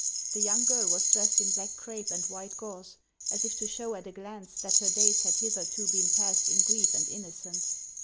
The young girl was dressed in black crape and white gauze, as if to show at a glance that her days had hitherto been passed in grief and innocence.